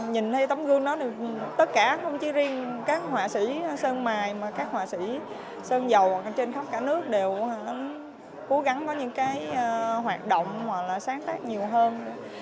nhìn thấy tấm gương đó thì tất cả không chỉ riêng các họa sĩ sơn mài mà các họa sĩ sơn dầu trên khắp cả nước đều cố gắng có những cái hoạt động hoặc là sáng tác nhiều hơn